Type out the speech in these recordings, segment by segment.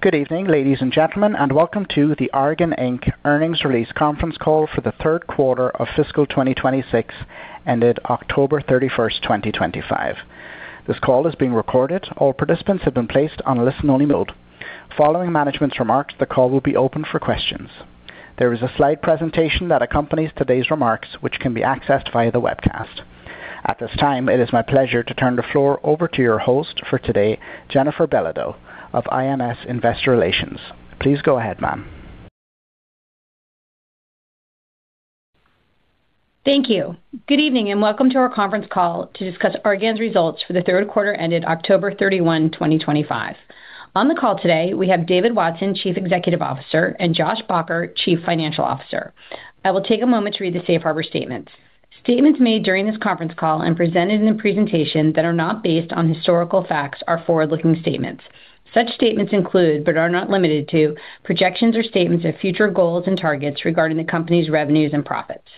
Good evening, ladies and gentlemen, and welcome to the Argan, Inc. Earnings Release Conference Call for the 3Q of FY2026, ended October 31st, 2025. This call is being recorded. All participants have been placed on a listen-only mode. Following management's remarks, the call will be open for questions. There is a slide presentation that accompanies today's remarks, which can be accessed via the webcast. At this time, it is my pleasure to turn the floor over to your host for today, Jennifer Belodeau of IMS Investor Relations. Please go ahead, ma'am. Thank you. Good evening and welcome to our conference call to discuss Argan's results for the 3Q ended October 31, 2025. On the call today, we have David Watson, Chief Executive Officer, and Josh Baugher, Chief Financial Officer. I will take a moment to read the Safe Harbor Statements. Statements made during this conference call and presented in the presentation that are not based on historical facts are forward-looking statements. Such statements include, but are not limited to, projections or statements of future goals and targets regarding the company's revenues and profits.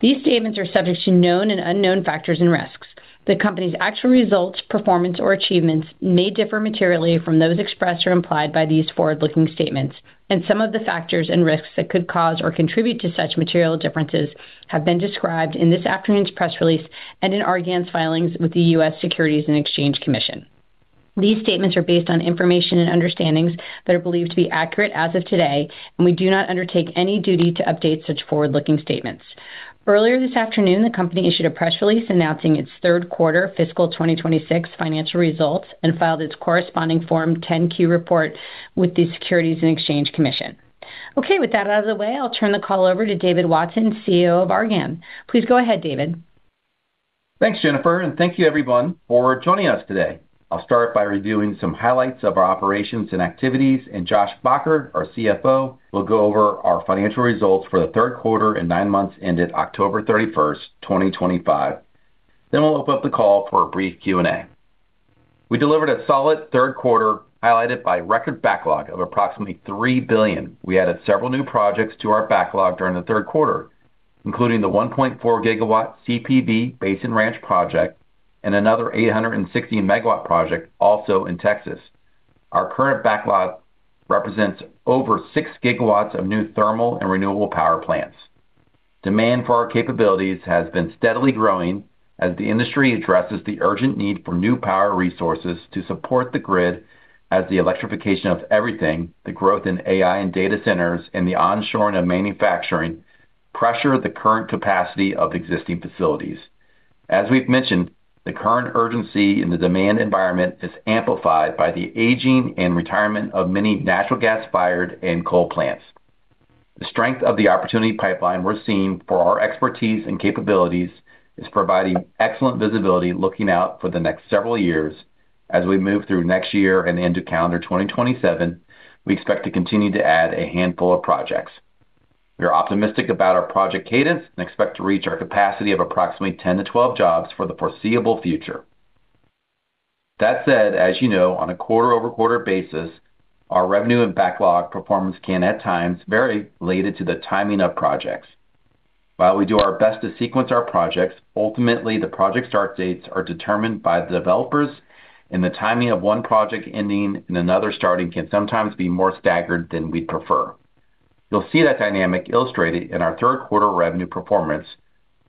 These statements are subject to known and unknown factors and risks. The company's actual results, performance, or achievements may differ materially from those expressed or implied by these forward-looking statements, and some of the factors and risks that could cause or contribute to such material differences have been described in this afternoon's press release and in Argan's filings with the U.S. Securities and Exchange Commission. These statements are based on information and understandings that are believed to be accurate as of today, and we do not undertake any duty to update such forward-looking statements. Earlier this afternoon, the company issued a press release announcing its 3Q FY2026 financial results and filed its corresponding Form 10-Q report with the Securities and Exchange Commission. Okay, with that out of the way, I'll turn the call over to David Watson, CEO of Argan. Please go ahead, David. Thanks, Jennifer, and thank you, everyone, for joining us today. I'll start by reviewing some highlights of our operations and activities, and Josh Baugher, our CFO, will go over our financial results for the 3Q and nine months ended October 31st, 2025. Then we'll open up the call for a brief Q&A. We delivered a solid 3Q highlighted by record backlog of approximately $3 billion. We added several new projects to our backlog during the 3Q, including the 1.4 GW CPV Basin Ranch project and another 860 MW project also in Texas. Our current backlog represents over 6 GW of new thermal and renewable power plants. Demand for our capabilities has been steadily growing as the industry addresses the urgent need for new power resources to support the grid, as the electrification of everything, the growth in AI and data centers, and the onshoring of manufacturing pressure the current capacity of existing facilities. As we've mentioned, the current urgency in the demand environment is amplified by the aging and retirement of many natural gas-fired and coal plants. The strength of the opportunity pipeline we're seeing for our expertise and capabilities is providing excellent visibility looking out for the next several years. As we move through next year and into calendar 2027, we expect to continue to add a handful of projects. We are optimistic about our project cadence and expect to reach our capacity of approximately 10-12 jobs for the foreseeable future. That said, as you know, on a quarter-over-quarter basis, our revenue and backlog performance can at times vary related to the timing of projects. While we do our best to sequence our projects, ultimately, the project start dates are determined by the developers, and the timing of one project ending and another starting can sometimes be more staggered than we'd prefer. You'll see that dynamic illustrated in our third quarter revenue performance,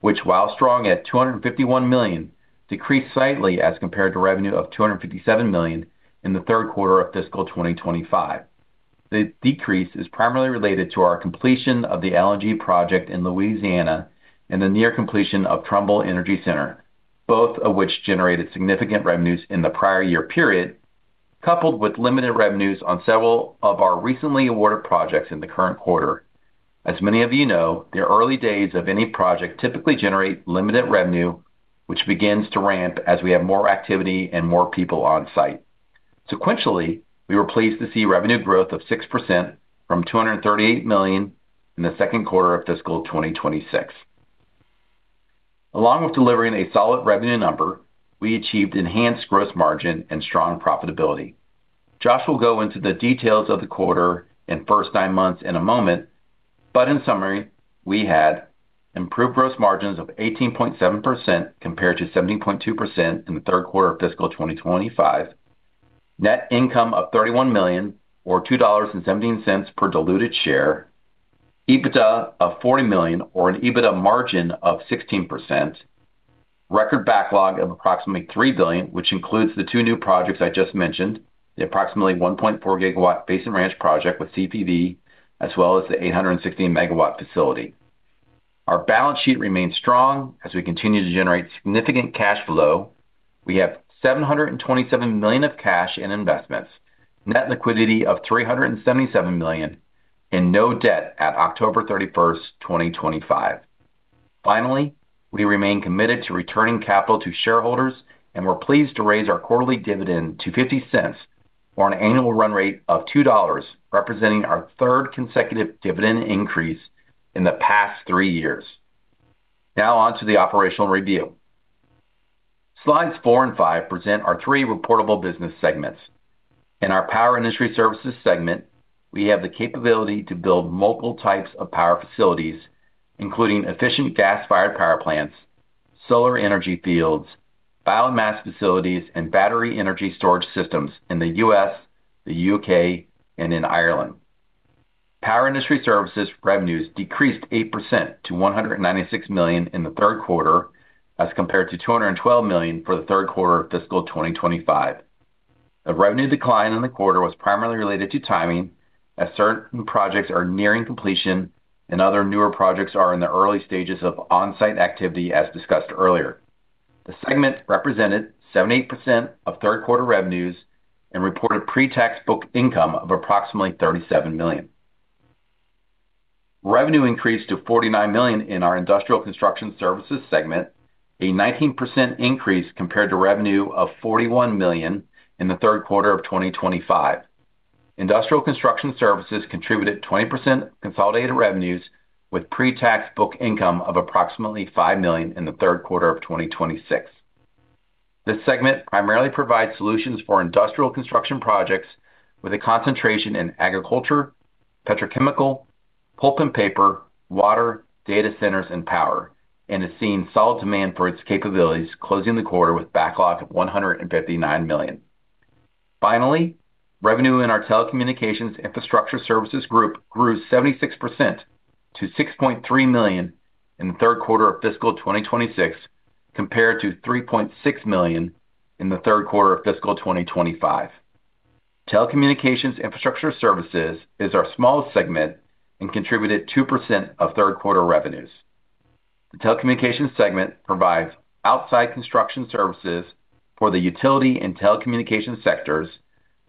which, while strong at $251 million, decreased slightly as compared to revenue of $257 million in the third quarter of fiscal 2025. The decrease is primarily related to our completion of the LNG project in Louisiana and the near completion of Trumbull Energy Center, both of which generated significant revenues in the prior year period, coupled with limited revenues on several of our recently awarded projects in the current quarter. As many of you know, the early days of any project typically generate limited revenue, which begins to ramp as we have more activity and more people on site. Sequentially, we were pleased to see revenue growth of 6% from $238 million in the second quarter of fiscal 2026. Along with delivering a solid revenue number, we achieved enhanced gross margin and strong profitability. Josh will go into the details of the quarter and first nine months in a moment, but in summary, we had improved gross margins of 18.7% compared to 17.2% in the third quarter of fiscal 2025, net income of $31 million, or $2.17 per diluted share, EBITDA of $40 million, or an EBITDA margin of 16%, record backlog of approximately $3 billion, which includes the two new projects I just mentioned, the approximately 1.4 GW Basin Ranch project with CPV, as well as the 860 megawatt facility. Our balance sheet remains strong as we continue to generate significant cash flow. We have $727 million of cash and investments, net liquidity of $377 million, and no debt at October 31st, 2025. Finally, we remain committed to returning capital to shareholders and were pleased to raise our quarterly dividend to $0.50 for an annual run rate of $2, representing our third consecutive dividend increase in the past three years. Now on to the operational review. Slides 4 and 5 present our three reportable business segments. In our Power Industry Services segment, we have the capability to build multiple types of power facilities, including efficient gas-fired power plants, solar energy fields, biomass facilities, and battery energy storage systems in the U.S., the U.K., and in Ireland. Power Industry Services revenues decreased 8% to $196 million in the third quarter as compared to $212 million for the third quarter of fiscal 2025. The revenue decline in the quarter was primarily related to timing, as certain projects are nearing completion and other newer projects are in the early stages of on-site activity, as discussed earlier. The segment represented 78% of third quarter revenues and reported pre-tax book income of approximately $37 million. Revenue increased to $49 million in our Industrial Construction Services segment, a 19% increase compared to revenue of $41 million in the third quarter of 2025. Industrial Construction Services contributed 20% of consolidated revenues, with pre-tax book income of approximately $5 million in the third quarter of 2026. This segment primarily provides solutions for industrial construction projects with a concentration in agriculture, petrochemical, pulp and paper, water, data centers, and power, and is seeing solid demand for its capabilities, closing the quarter with backlog of $159 million. Finally, revenue in our Telecommunications Infrastructure Services group grew 76% to $6.3 million in the third quarter of fiscal 2026 compared to $3.6 million in the third quarter of fiscal 2025. Telecommunications Infrastructure Services is our smallest segment and contributed 2% of third quarter revenues. The Telecommunications segment provides outside construction services for the utility and telecommunication sectors,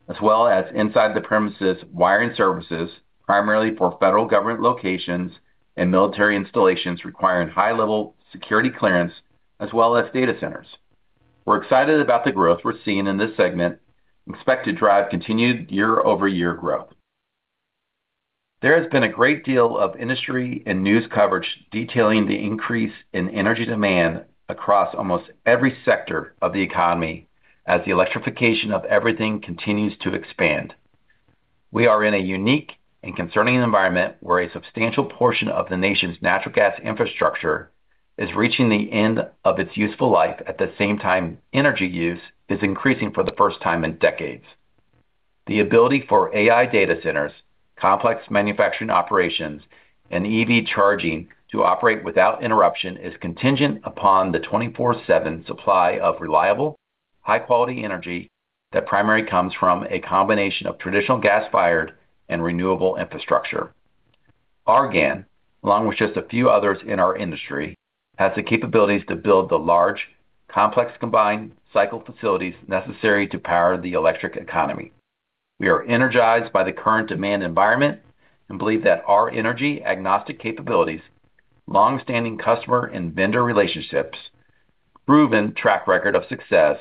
as well as inside the premises wiring services, primarily for federal government locations and military installations requiring high-level security clearance, as well as data centers. We're excited about the growth we're seeing in this segment, expected to drive continued year-over-year growth. There has been a great deal of industry and news coverage detailing the increase in energy demand across almost every sector of the economy as the electrification of everything continues to expand. We are in a unique and concerning environment where a substantial portion of the nation's natural gas infrastructure is reaching the end of its useful life at the same time energy use is increasing for the first time in decades. The ability for AI data centers, complex manufacturing operations, and EV charging to operate without interruption is contingent upon the 24/7 supply of reliable, high-quality energy that primarily comes from a combination of traditional gas-fired and renewable infrastructure. Argan, along with just a few others in our industry, has the capabilities to build the large, complex combined cycle facilities necessary to power the electric economy. We are energized by the current demand environment and believe that our energy-agnostic capabilities, long-standing customer and vendor relationships, proven track record of success,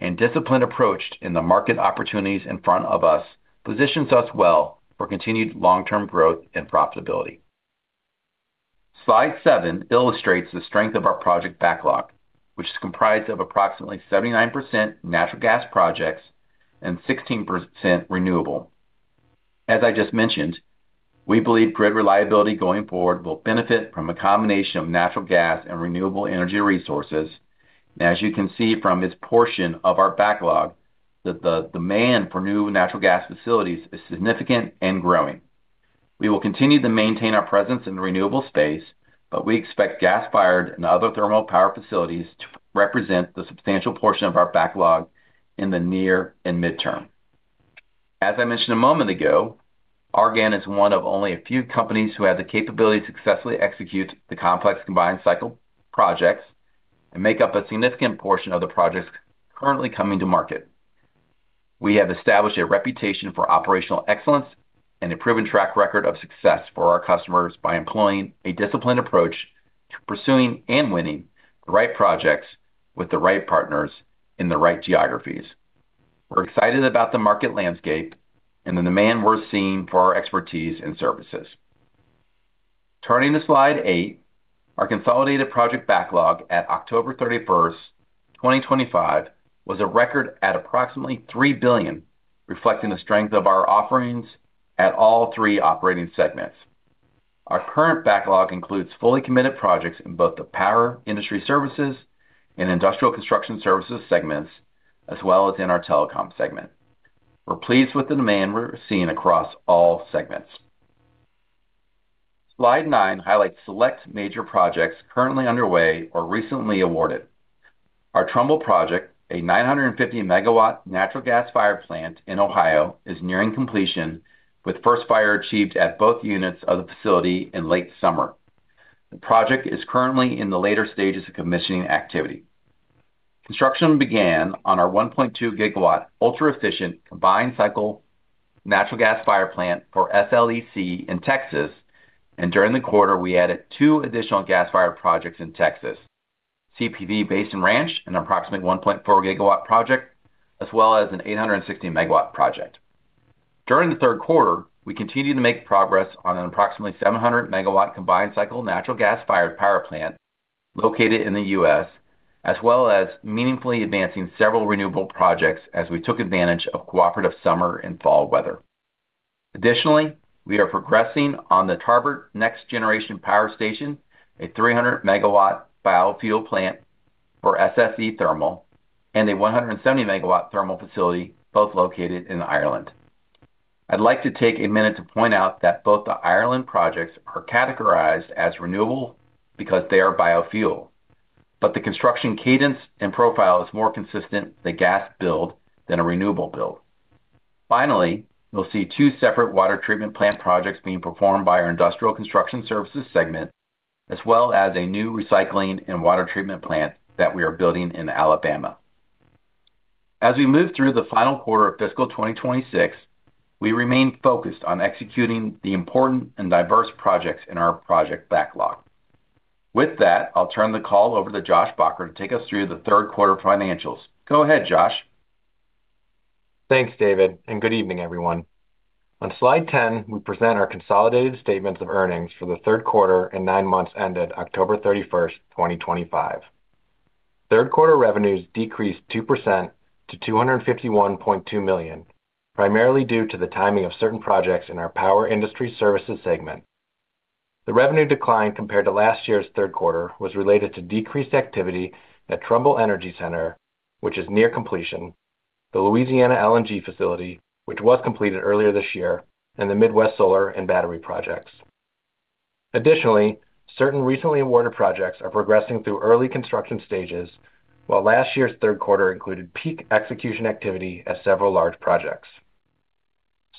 and disciplined approach in the market opportunities in front of us positions us well for continued long-term growth and profitability. Slide 7 illustrates the strength of our project backlog, which is comprised of approximately 79% natural gas projects and 16% renewable. As I just mentioned, we believe grid reliability going forward will benefit from a combination of natural gas and renewable energy resources, and as you can see from this portion of our backlog, the demand for new natural gas facilities is significant and growing. We will continue to maintain our presence in the renewable space, but we expect gas-fired and other thermal power facilities to represent the substantial portion of our backlog in the near and midterm. As I mentioned a moment ago, Argan is one of only a few companies who have the capability to successfully execute the complex combined cycle projects and make up a significant portion of the projects currently coming to market. We have established a reputation for operational excellence and a proven track record of success for our customers by employing a disciplined approach to pursuing and winning the right projects with the right partners in the right geographies. We're excited about the market landscape and the demand we're seeing for our expertise and services. Turning to Slide 8, our consolidated project backlog at October 31st, 2025, was a record at approximately $3 billion, reflecting the strength of our offerings at all three operating segments. Our current backlog includes fully committed projects in both the Power Industry Services and Industrial Construction Services segments, as well as in our Telecom segment. We're pleased with the demand we're seeing across all segments. Slide 9 highlights select major projects currently underway or recently awarded. Our Trumbull project, a 950 MW natural gas-fired plant in Ohio, is nearing completion, with first fire achieved at both units of the facility in late summer. The project is currently in the later stages of commissioning activity. Construction began on our 1.2 GW ultra-efficient combined cycle natural gas-fired plant for SLEC in Texas, and during the quarter, we added two additional gas-fired projects in Texas: CPV Basin Ranch, an approximate 1.4 GW project, as well as an 860 MW project. During the third quarter, we continued to make progress on an approximately 700 MW combined cycle natural gas-fired power plant located in the U.S., as well as meaningfully advancing several renewable projects as we took advantage of cooperative summer and fall weather. Additionally, we are progressing on the Tarbert Next Generation Power Station, a 300 MW biofuel plant for SSE Thermal, and a 170 MW thermal facility, both located in Ireland. I'd like to take a minute to point out that both the Ireland projects are categorized as renewable because they are biofuel, but the construction cadence and profile is more consistent with a gas build than a renewable build. Finally, you'll see two separate water treatment plant projects being performed by our Industrial Construction Services segment, as well as a new recycling and water treatment plant that we are building in Alabama. As we move through the final quarter of fiscal 2026, we remain focused on executing the important and diverse projects in our project backlog. With that, I'll turn the call over to Josh Baugher to take us through the third quarter financials. Go ahead, Josh. Thanks, David, and good evening, everyone. On Slide 10, we present our consolidated statements of earnings for the third quarter and nine months ended October 31st, 2025. Third quarter revenues decreased 2% to $251.2 million, primarily due to the timing of certain projects in our Power Industry Services segment. The revenue decline compared to last year's third quarter was related to decreased activity at Trumbull Energy Center, which is near completion, the Louisiana LNG facility, which was completed earlier this year, and the Midwest Solar and battery projects. Additionally, certain recently awarded projects are progressing through early construction stages, while last year's third quarter included peak execution activity at several large projects.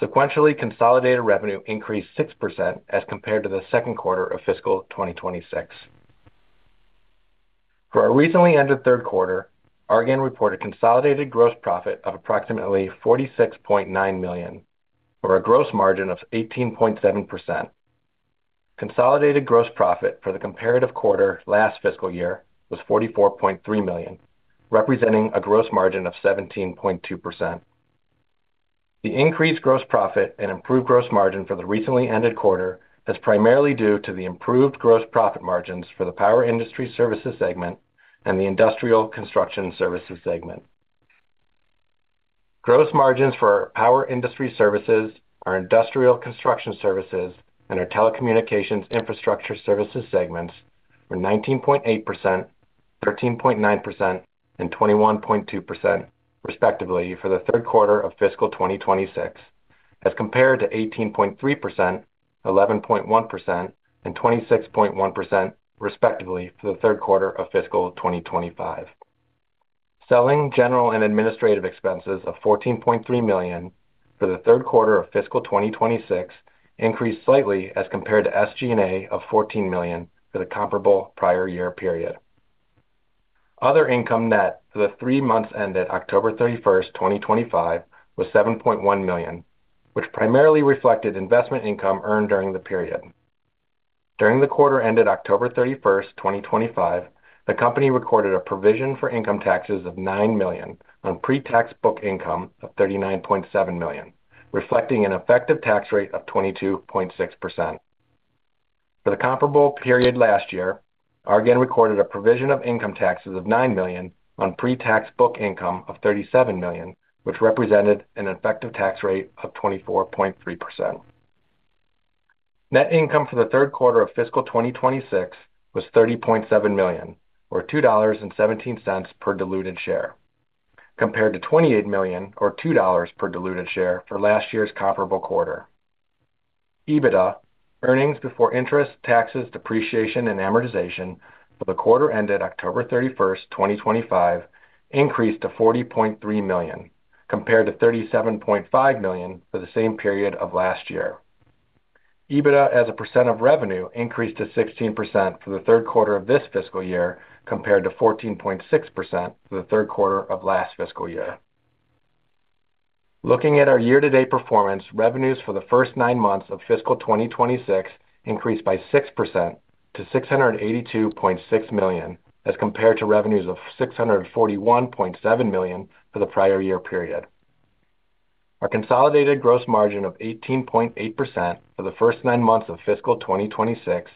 Sequentially, consolidated revenue increased 6% as compared to the second quarter of fiscal 2026. For our recently ended third quarter, Argan reported consolidated gross profit of approximately $46.9 million, or a gross margin of 18.7%. Consolidated gross profit for the comparative quarter last fiscal year was $44.3 million, representing a gross margin of 17.2%. The increased gross profit and improved gross margin for the recently ended quarter is primarily due to the improved gross profit margins for the Power Industry Services segment and the Industrial Construction Services segment. Gross margins for Power Industry Services, our Industrial Construction Services, and our Telecommunications Infrastructure Services segments were 19.8%, 13.9%, and 21.2%, respectively, for the third quarter of fiscal 2026, as compared to 18.3%, 11.1%, and 26.1%, respectively, for the third quarter of fiscal 2025. Selling, General, and Administrative expenses of $14.3 million for the third quarter of fiscal 2026 increased slightly as compared to SG&A of $14 million for the comparable prior year period. Other income net for the three months ended October 31st, 2025, was $7.1 million, which primarily reflected investment income earned during the period. During the quarter ended October 31st, 2025, the company recorded a provision for income taxes of $9 million on pre-tax book income of $39.7 million, reflecting an effective tax rate of 22.6%. For the comparable period last year, Argan recorded a provision of income taxes of $9 million on pre-tax book income of $37 million, which represented an effective tax rate of 24.3%. Net income for the third quarter of fiscal 2026 was $30.7 million, or $2.17 per diluted share, compared to $28 million, or $2 per diluted share, for last year's comparable quarter. EBITDA, Earnings Before Interest, Taxes, Depreciation, and Amortization for the quarter ended October 31st, 2025, increased to $40.3 million, compared to $37.5 million for the same period of last year. EBITDA as a % of revenue increased to 16% for the third quarter of this fiscal year, compared to 14.6% for the third quarter of last fiscal year. Looking at our year-to-date performance, revenues for the first nine months of fiscal 2026 increased by 6% to $682.6 million, as compared to revenues of $641.7 million for the prior year period. Our consolidated gross margin of 18.8% for the first nine months of fiscal 2026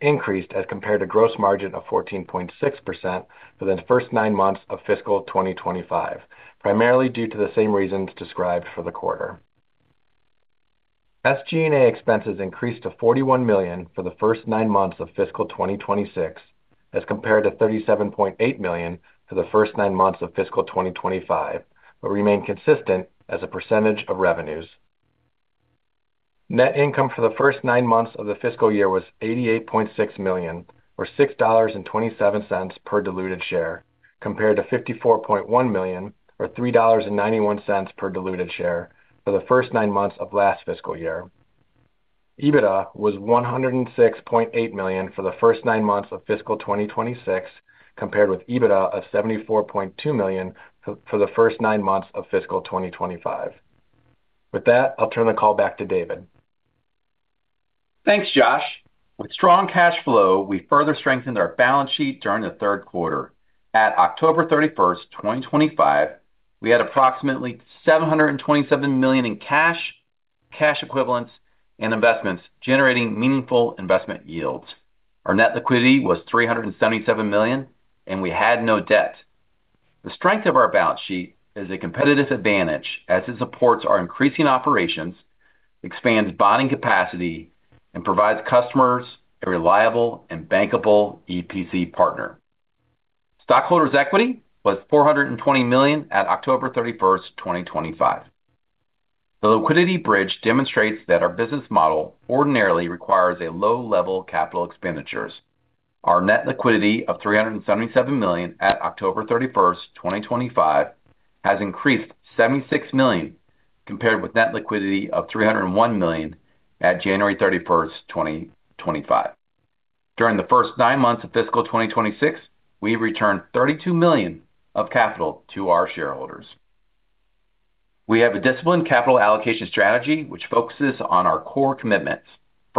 increased as compared to gross margin of 14.6% for the first nine months of fiscal 2025, primarily due to the same reasons described for the quarter. SG&A expenses increased to $41 million for the first nine months of fiscal 2026, as compared to $37.8 million for the first nine months of fiscal 2025, but remain consistent as a % of revenues. Net income for the first nine months of the fiscal year was $88.6 million, or $6.27 per diluted share, compared to $54.1 million, or $3.91 per diluted share, for the first nine months of last fiscal year. EBITDA was $106.8 million for the first nine months of fiscal 2026, compared with EBITDA of $74.2 million for the first nine months of fiscal 2025. With that, I'll turn the call back to David. Thanks, Josh. With strong cash flow, we further strengthened our balance sheet during the third quarter. At October 31st, 2025, we had approximately $727 million in cash, cash equivalents, and investments, generating meaningful investment yields. Our net liquidity was $377 million, and we had no debt. The strength of our balance sheet is a competitive advantage as it supports our increasing operations, expands bonding capacity, and provides customers a reliable and bankable EPC partner. Stockholders' equity was $420 million at October 31st, 2025. The liquidity bridge demonstrates that our business model ordinarily requires low-level capital expenditures. Our net liquidity of $377 million at October 31st, 2025, has increased $76 million, compared with net liquidity of $301 million at January 31st, 2025. During the first nine months of fiscal 2026, we returned $32 million of capital to our shareholders. We have a disciplined capital allocation strategy, which focuses on our core commitments.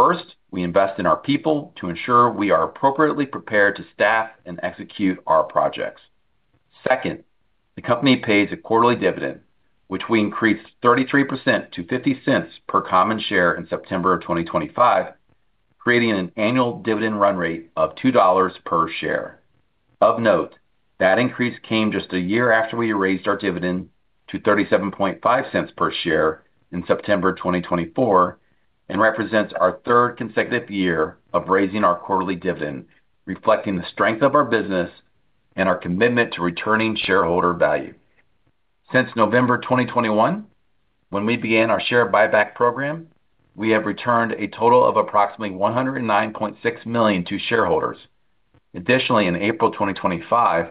First, we invest in our people to ensure we are appropriately prepared to staff and execute our projects. Second, the company pays a quarterly dividend, which we increased 33% to $0.50 per common share in September of 2025, creating an annual dividend run rate of $2 per share. Of note, that increase came just a year after we raised our dividend to $0.375 per share in September 2024, and represents our third consecutive year of raising our quarterly dividend, reflecting the strength of our business and our commitment to returning shareholder value. Since November 2021, when we began our share buyback program, we have returned a total of approximately $109.6 million to shareholders. Additionally, in April 2025,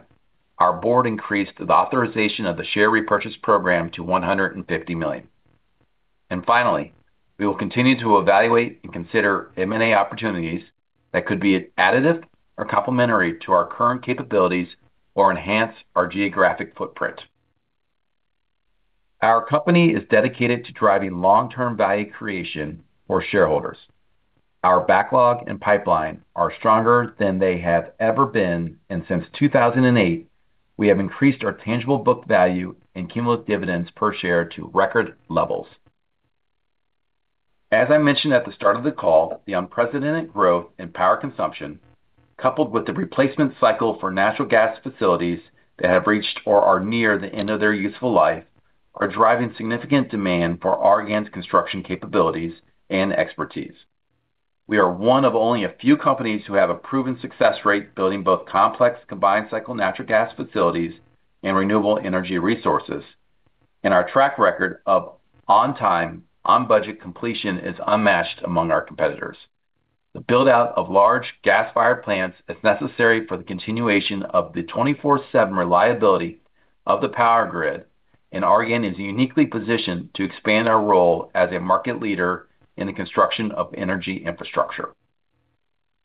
our board increased the authorization of the share repurchase program to $150 million. And finally, we will continue to evaluate and consider M&A opportunities that could be additive or complementary to our current capabilities or enhance our geographic footprint. Our company is dedicated to driving long-term value creation for shareholders. Our backlog and pipeline are stronger than they have ever been, and since 2008, we have increased our tangible book value and cumulative dividends per share to record levels. As I mentioned at the start of the call, the unprecedented growth in power consumption, coupled with the replacement cycle for natural gas facilities that have reached or are near the end of their useful life, are driving significant demand for Argan's construction capabilities and expertise. We are one of only a few companies who have a proven success rate building both complex combined cycle natural gas facilities and renewable energy resources, and our track record of on-time, on-budget completion is unmatched among our competitors. The buildout of large gas-fired plants is necessary for the continuation of the 24/7 reliability of the power grid, and Argan is uniquely positioned to expand our role as a market leader in the construction of energy infrastructure.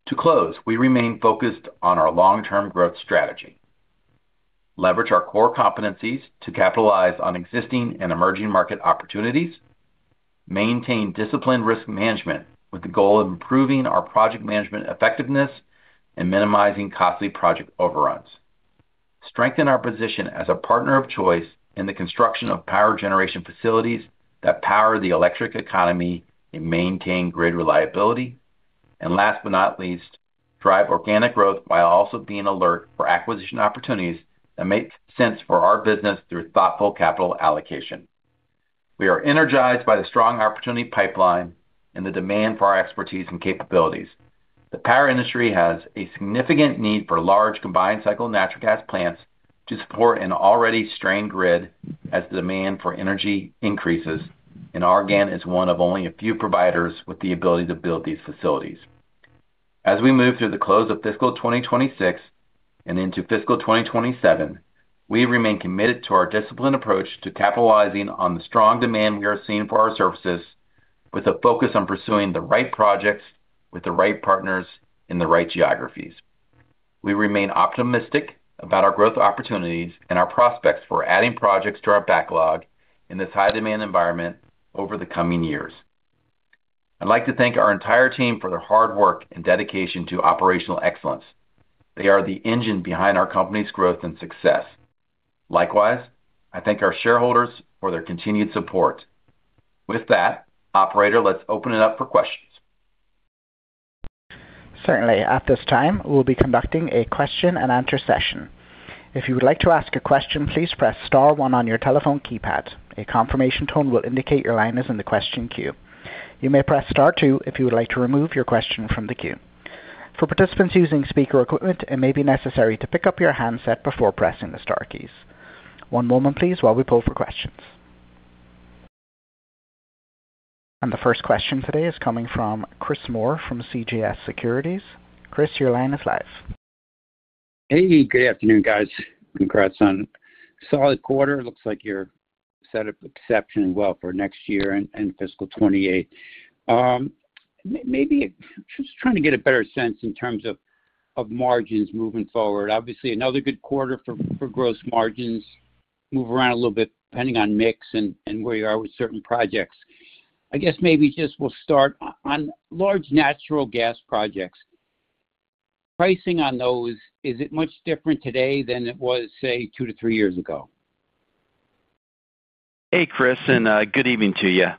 To close, we remain focused on our long-term growth strategy. Leverage our core competencies to capitalize on existing and emerging market opportunities. Maintain disciplined risk management with the goal of improving our project management effectiveness and minimizing costly project overruns. Strengthen our position as a partner of choice in the construction of power generation facilities that power the electric economy and maintain grid reliability. And last but not least, drive organic growth while also being alert for acquisition opportunities that make sense for our business through thoughtful capital allocation. We are energized by the strong opportunity pipeline and the demand for our expertise and capabilities. The power industry has a significant need for large combined cycle natural gas plants to support an already strained grid as the demand for energy increases, and Argan is one of only a few providers with the ability to build these facilities. As we move through the close of fiscal 2026 and into fiscal 2027, we remain committed to our disciplined approach to capitalizing on the strong demand we are seeing for our services, with a focus on pursuing the right projects with the right partners in the right geographies. We remain optimistic about our growth opportunities and our prospects for adding projects to our backlog in this high-demand environment over the coming years. I'd like to thank our entire team for their hard work and dedication to operational excellence. They are the engine behind our company's growth and success. Likewise, I thank our shareholders for their continued support. With that, Operator, let's open it up for questions. Certainly. At this time, we'll be conducting a question-and-answer session. If you would like to ask a question, please press star one on your telephone keypad. A confirmation tone will indicate your line is in the question queue. You may press star two if you would like to remove your question from the queue. For participants using speaker equipment, it may be necessary to pick up your handset before pressing the Star keys. One moment, please, while we poll for questions. The first question today is coming from Chris Moore from CJS Securities. Chris, your line is live. Good afternoon, guys. Congrats on a solid quarter. Looks like you're set up exceptionally well for next year and fiscal 2028. Maybe just trying to get a better sense in terms of margins moving forward. Obviously, another good quarter for gross margins, move around a little bit depending on mix and where you are with certain projects. I guess maybe just we'll start on large natural gas projects. Pricing on those, is it much different today than it was, say, two to three years ago? Hey, Chris, and good evening to you.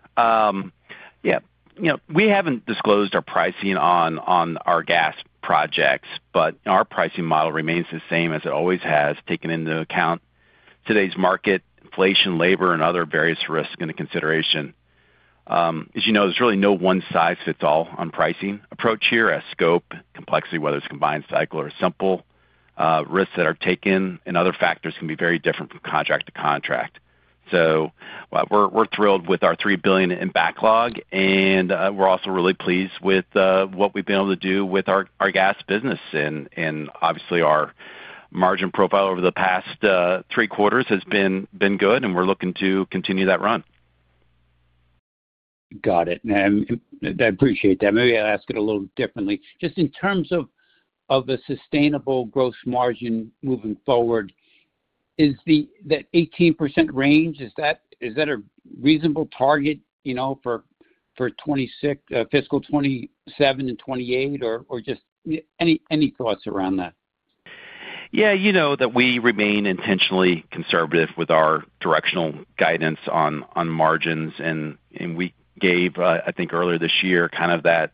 We haven't disclosed our pricing on our gas projects, but our pricing model remains the same as it always has, taking into account today's market, inflation, labor, and other various risks into consideration. As you know, there's really no one-size-fits-all on pricing approach here as scope, complexity, whether it's combined cycle or simple, risks that are taken, and other factors can be very different from contract to contract. So we're thrilled with our $3 billion in backlog, and we're also really pleased with what we've been able to do with our gas business. Obviously, our margin profile over the past three quarters has been good, and we're looking to continue that run. Got it. I appreciate that. Maybe I'll ask it a little differently. Just in terms of a sustainable gross margin moving forward, is that 18% range a reasonable target for fiscal 2027 and 2028, or just any thoughts around that? You know that we remain intentionally conservative with our directional guidance on margins, and we gave, I think, earlier this year kind of that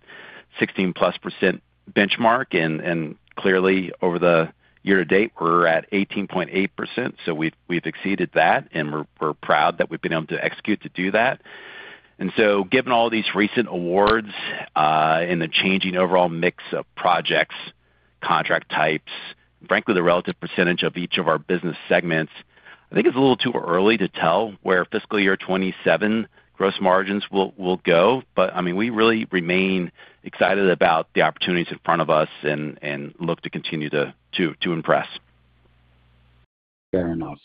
16-plus% benchmark. Clearly, over the year to date, we're at 18.8%. So we've exceeded that, and we're proud that we've been able to execute to do that. So given all these recent awards and the changing overall mix of projects, contract types, frankly, the relative percentage of each of our business segments, I think it's a little too early to tell where fiscal year 2027 gross margins will go. But, we really remain excited about the opportunities in front of us and look to continue to impress. Fair enough.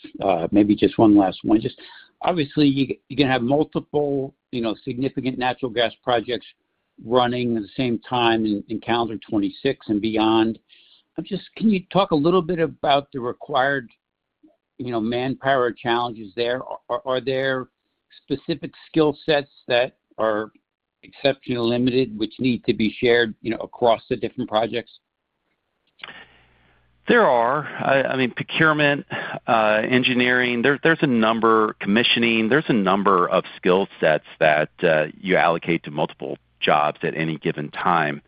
Maybe just one last one. Just obviously, you're going to have multiple significant natural gas projects running at the same time in calendar 2026 and beyond. Can you talk a little bit about the required manpower challenges there? Are there specific skill sets that are exceptionally limited, which need to be shared across the different projects? There are. I mean, procurement, engineering, there's a number, commissioning, there's a number of skill sets that you allocate to multiple jobs at any given time.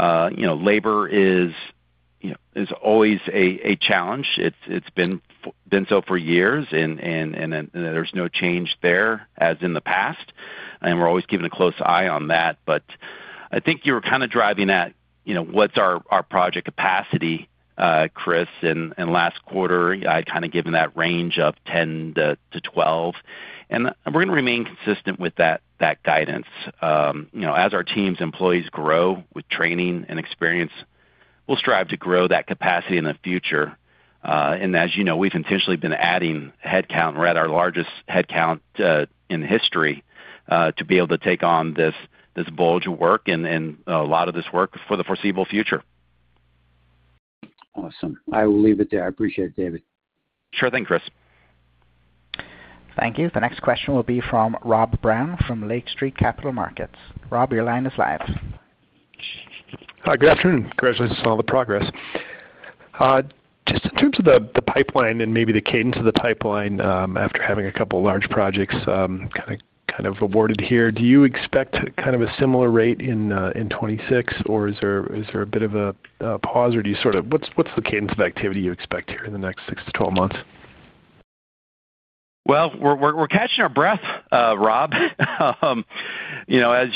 Labor is always a challenge. It's been so for years, and there's no change there as in the past. We're always keeping a close eye on that. I think you were driving at what's our project capacity, Chris, and last quarter, I'd given that range of 10 to 12. We're going to remain consistent with that guidance. As our team's employees grow with training and experience, we'll strive to grow that capacity in the future. And as you know, we've intentionally been adding headcount, and we're at our largest headcount in history, to be able to take on this bulge of work and a lot of this work for the foreseeable future. Awesome. I will leave it there. I appreciate it, David. Sure thing, Chris. Thank you. The next question will be from Rob Brown from Lake Street Capital Markets. Rob, your line is live. Hi, good afternoon. Congratulations on the progress. Just in terms of the pipeline and maybe the cadence of the pipeline after having a couple of large projects awarded here, do you expect a similar rate in 2026, or is there a bit of a pause, or do you sort of what's the cadence of activity you expect here in the next six to 12 months? Well, we're catching our breath, Rob. As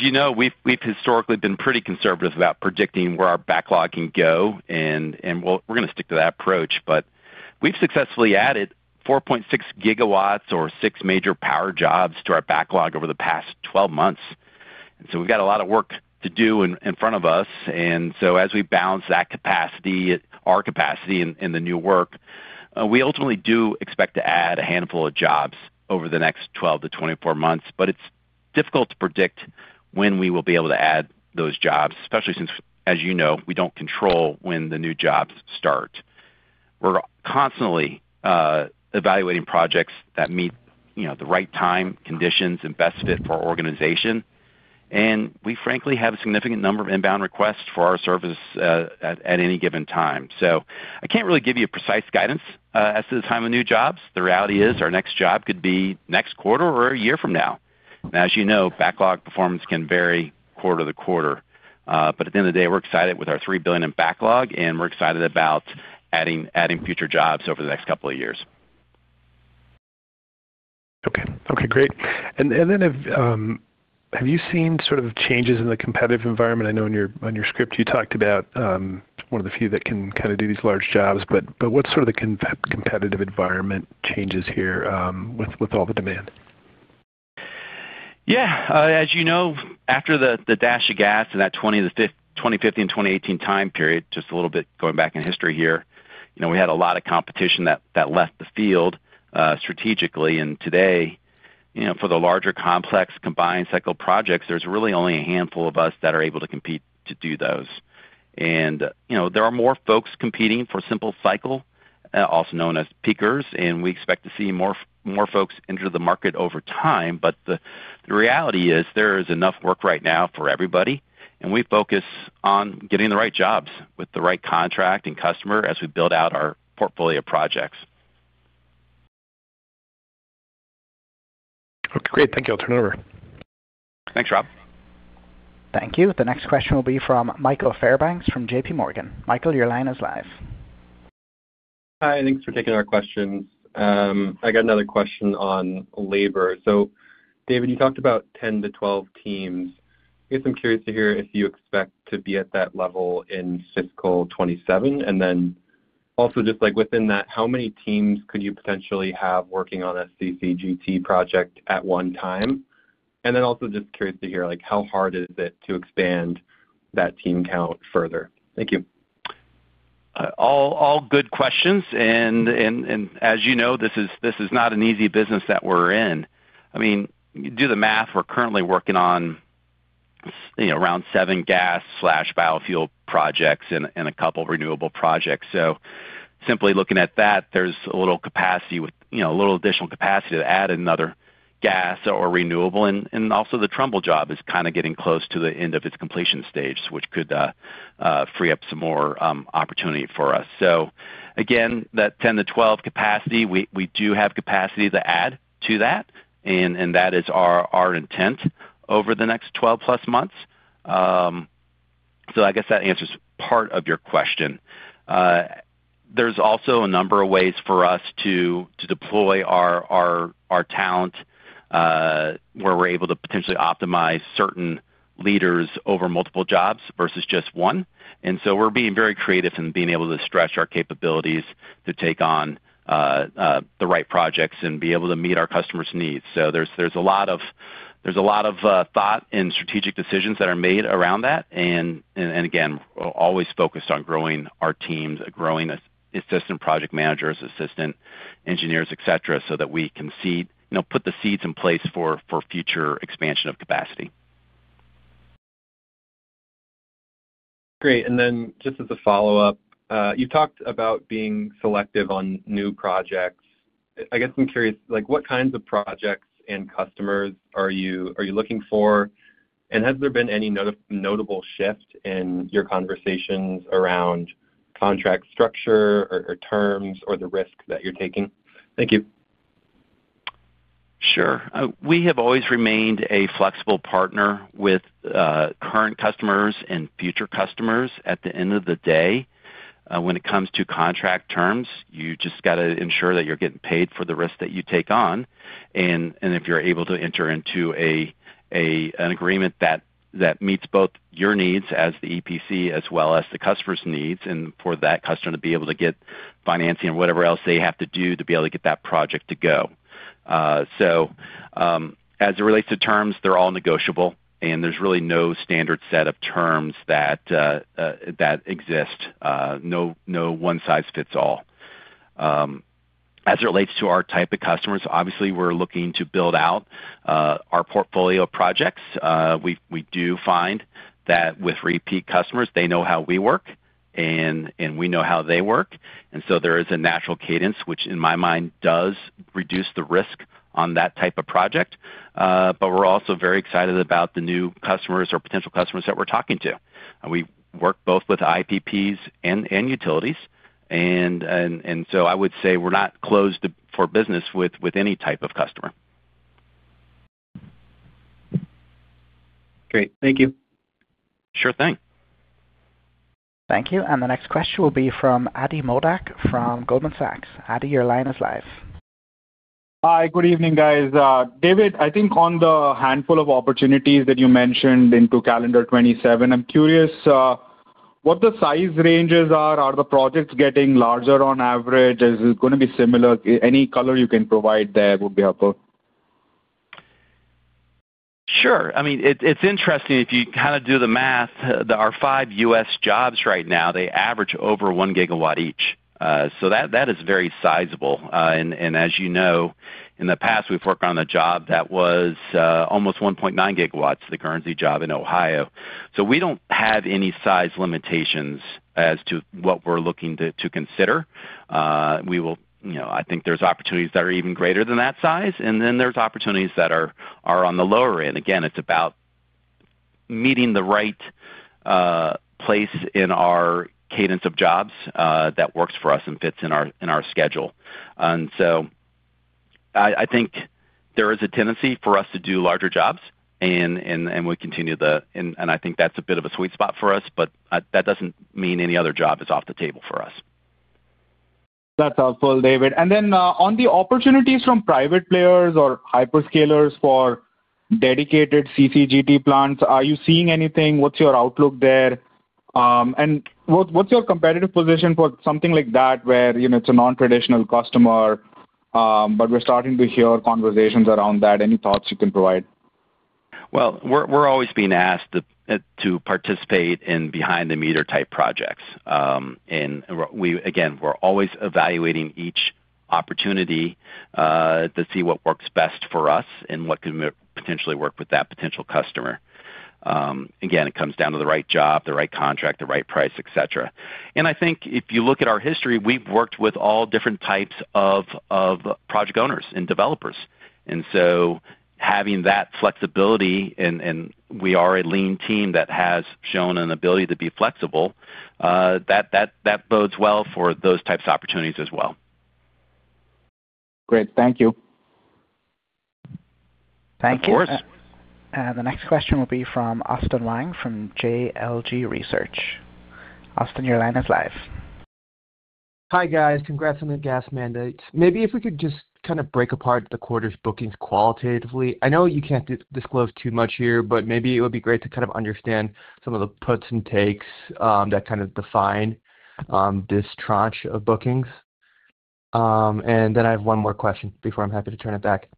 you know, we've historically been pretty conservative about predicting where our backlog can go, and we're going to stick to that approach. We've successfully added 4.6 GW or six major power jobs to our backlog over the past 12 months. Sso we've got a lot of work to do in front of us. As we balance that capacity, our capacity and the new work, we ultimately do expect to add a handful of jobs over the next 12 to 24 months. But it's difficult to predict when we will be able to add those jobs, especially since, as you know, we don't control when the new jobs start. We're constantly evaluating projects that meet the right time, conditions, and best fit for our organization. We, frankly, have a significant number of inbound requests for our service at any given time. I can't really give you precise guidance as to the time of new jobs. The reality is our next job could be next quarter or a year from now. As you know, backlog performance can vary quarter to quarter. At the end of the day, we're excited with our $3 billion backlog, and we're excited about adding future jobs over the next couple of years. Great. Have you seen sort of changes in the competitive environment? I know in your script you talked about one of the few that can kind of do these large jobs. What sort of the competitive environment changes here with all the demand? As you know, after the Dash for Gas in that 2015 and 2018 time period, just a little bit going back in history here, we had a lot of competition that left the field strategically. Today, for the larger complex combined cycle projects, there's really only a handful of us that are able to compete to do those. There are more folks competing for simple cycle, also known as peakers, and we expect to see more folks enter the market over time. The reality is there is enough work right now for everybody, and we focus on getting the right jobs with the right contract and customer as we build out our portfolio projects. Great. Thank you. I'll turn it over. Thanks, Rob. Thank you. The next question will be from Michael Fairbanks from J.P. Morgan. Michael, your line is live. Hi. Thanks for taking our questions. I got another question on labor. So, David, you talked about 10 to 12 teams. I guess I'm curious to hear if you expect to be at that level in fiscal 2027. And then also just within that, how many teams could you potentially have working on a CCGT project at one time? And then also just curious to hear how hard is it to expand that team count further. Thank you. All good questions. As you know, this is not an easy business that we're in. I mean, do the math, we're currently working on around seven gas/biofuel projects and a couple of renewable projects. Simply looking at that, there's a little capacity, a little additional capacity to add another gas or renewable. Also the Trumbull job is kind of getting close to the end of its completion stage, which could free up some more opportunity for us. Again, that 10-12 capacity, we do have capacity to add to that, and that is our intent over the next 12-plus months. I guess that answers part of your question. There's also a number of ways for us to deploy our talent where we're able to potentially optimize certain leaders over multiple jobs versus just one. So we're being very creative in being able to stretch our capabilities to take on the right projects and be able to meet our customers' needs. There's a lot of thought and strategic decisions that are made around that. Again, always focused on growing our teams, growing assistant project managers, assistant engineers, etc., so that we can put the seeds in place for future expansion of capacity. Great. Just as a follow-up, you talked about being selective on new projects. I'm curious. What kinds of projects and customers are you looking for? Has there been any notable shift in your conversations around contract structure or terms or the risk that you're taking? Thank you. Sure. We have always remained a flexible partner with current customers and future customers. At the end of the day, when it comes to contract terms, you just got to ensure that you're getting paid for the risk that you take on, and if you're able to enter into an agreement that meets both your needs as the EPC as well as the customer's needs, and for that customer to be able to get financing or whatever else they have to do to be able to get that project to go. So as it relates to terms, they're all negotiable, and there's really no standard set of terms that exist. No one-size-fits-all. As it relates to our type of customers, obviously, we're looking to build out our portfolio of projects. We do find that with repeat customers, they know how we work, and we know how they work. So there is a natural cadence, which in my mind does reduce the risk on that type of project. But we're also very excited about the new customers or potential customers that we're talking to. We work both with IPPs and utilities. So I would say we're not closed for business with any type of customer. Great. Thank you. Sure thing. Thank you. And the next question will be from Ati Modak from Goldman Sachs. Ati, your line is live. Hi, good evening, guys. David, I think on the handful of opportunities that you mentioned into calendar 2027, I'm curious what the size ranges are. Are the projects getting larger on average? Is it going to be similar? Any color you can provide there would be helpful. Sure. it's interesting if you kind of do the math. Our five U.S. jobs right now, they average over one GW each. So that is very sizable. As you know, in the past, we've worked on a job that was almost 1.9 GW, the Guernsey job in Ohio. So we don't have any size limitations as to what we're looking to consider. I think there's opportunities that are even greater than that size, and then there's opportunities that are on the lower end. Again, it's about meeting the right place in our cadence of jobs that works for us and fits in our schedule. So I think there is a tendency for us to do larger jobs, and we continue, and I think that's a bit of a sweet spot for us, but that doesn't mean any other job is off the table for us. That's helpful, David. On the opportunities from private players or hyperscalers for dedicated CCGT plants, are you seeing anything? What's your outlook there? What's your competitive position for something like that where it's a non-traditional customer, but we're starting to hear conversations around that? Any thoughts you can provide? We're always being asked to participate in behind-the-meter type projects. Again, we're always evaluating each opportunity to see what works best for us and what can potentially work with that potential customer. Again, it comes down to the right job, the right contract, the right price, etc. If you look at our history, we've worked with all different types of project owners and developers. Having that flexibility, and we are a lean team that has shown an ability to be flexible, that bodes well for those types of opportunities as well. Great. Thank you. Thank you. Of course. The next question will be from Austin Wang from GLJ Research. Austin, your line is live. Hi, guys. Congrats on the gas mandates. Maybe if we could just kind of break apart the quarter's bookings qualitatively. I know you can't disclose too much here, but maybe it would be great to kind of understand some of the puts and takes that kind of define this tranche of bookings. And then I have one more question before I'm happy to turn it back.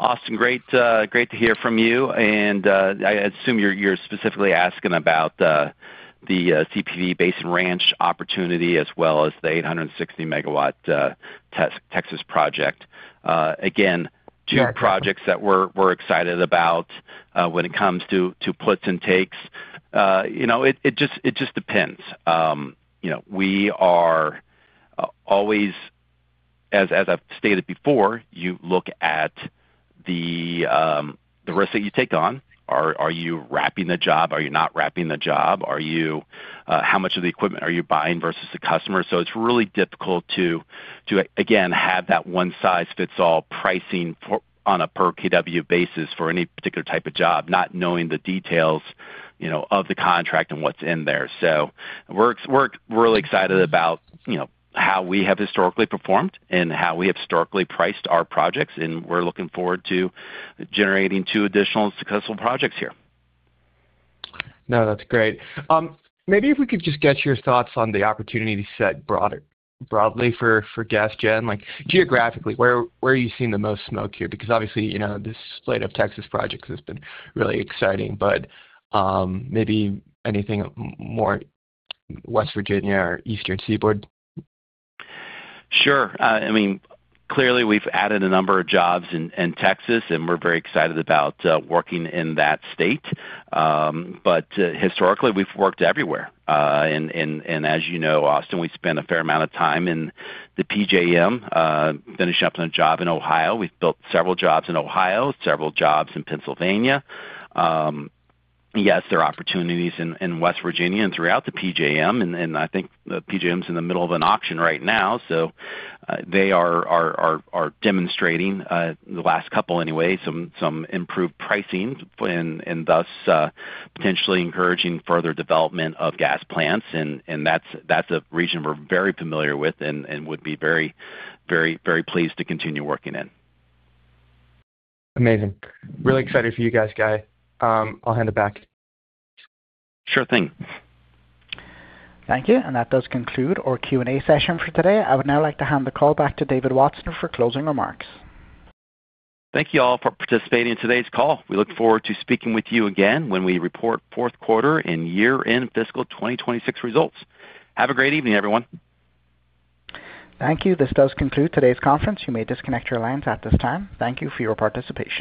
Austin, great to hear from you. I assume you're specifically asking about the CPV Basin Ranch opportunity as well as the 860 MW Texas project. Again, two projects that we're excited about when it comes to puts and takes. It just depends. We are always, as I've stated before, you look at the risk that you take on. Are you wrapping the job? Are you not wrapping the job? How much of the equipment are you buying versus the customer? So it's really difficult to, again, have that one-size-fits-all pricing on a per-kW basis for any particular type of job, not knowing the details of the contract and what's in there. We're really excited about how we have historically performed and how we have historically priced our projects, and we're looking forward to generating two additional successful projects here. That's great. Maybe if we could just get your thoughts on the opportunity set broadly for gas gen. Geographically, where are you seeing the most smoke here? Because obviously, this slate of Texas projects has been really exciting, but maybe anything more West Virginia or Eastern Seaboard? Sure. I mean, clearly, we've added a number of jobs in Texas, and we're very excited about working in that state. But historically, we've worked everywhere. As you know, Austin, we spend a fair amount of time in the PJM finishing up on a job in Ohio. We've built several jobs in Ohio, several jobs in Pennsylvania. Yes, there are opportunities in West Virginia and throughout the PJM. And I think the PJM is in the middle of an auction right now. So they are demonstrating, the last couple anyway, some improved pricing and thus potentially encouraging further development of gas plants. And that's a region we're very familiar with and would be very, very pleased to continue working in. Amazing. Really excited for you guys. I'll hand it back. Sure thing. Thank you. And that does conclude our Q&A session for today. I would now like to hand the call back to David Watson for closing remarks. Thank you all for participating in today's call. We look forward to speaking with you again when we report fourth quarter and year-end fiscal 2026 results. Have a great evening, everyone. Thank you. This does conclude today's conference. You may disconnect your lines at this time. Thank you for your participation.